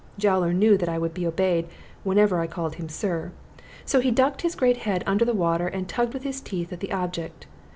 Jowler knew that I would be obeyed whenever I called him "Sir;" so he ducked his great head under the water, and tugged with his teeth at the object.